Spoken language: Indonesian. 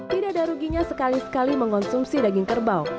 tidak ada ruginya sekali sekali mengonsumsi daging kerbau